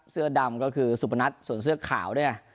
เสื้อดำก็คือสุพนัทส่วนเสื้อขาวเนี่ย